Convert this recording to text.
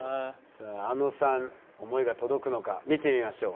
さああのさん思いが届くのか見てみましょう。